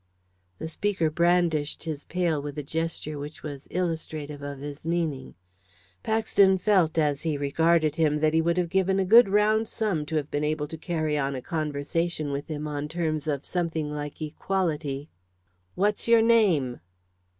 The speaker brandished his pail with a gesture which was illustrative of his meaning. Paxton felt, as he regarded him, that he would have given a good round sum to have been able to carry on a conversation with him on terms of something like equality. "What's your name?"